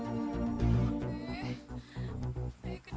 bape juga harus nyusul